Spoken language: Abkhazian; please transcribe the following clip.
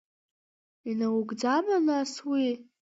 Инаугӡама нас уи?